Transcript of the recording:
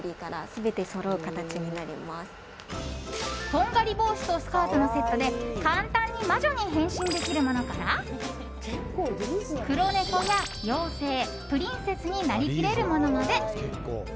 とんがり帽子とスカートのセットで簡単に魔女に変身できるものから黒猫や妖精プリンセスになりきれるものまで。